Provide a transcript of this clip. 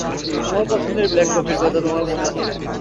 আমার পছন্দের ব্ল্যাক কফির কথা তোমার মনে আছে?